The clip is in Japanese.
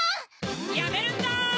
やめるんだ！